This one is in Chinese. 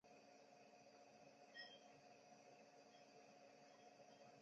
谭纶对军事甚有研究。